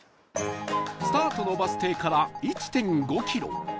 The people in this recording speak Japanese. スタートのバス停から １．５ キロ